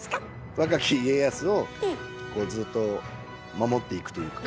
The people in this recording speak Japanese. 若き家康をこうずっと守っていくというか。